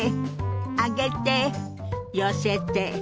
上げて寄せて。